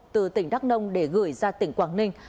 từ tỉnh đắk nông để gửi ra tỉnh quảng ninh